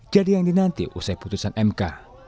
jadi yang dinanti usai putusan mk